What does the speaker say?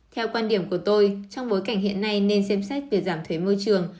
theo quan điểm của tôi trong bối cảnh hiện nay nên xem xét việc giảm thuế môi trường